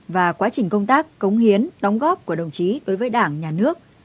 và quá trình công tác cống hiến đóng góp của đồng chí đối với đảng nhà nước